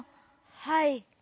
はい。